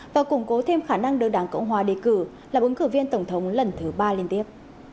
và củng cố thêm khả năng đưa đảng cộng hòa đề cử là ứng cử viên tổng thống lần thứ ba liên tiếp